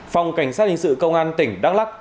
phòng cảnh sát hình sự công an tỉnh đắk lắc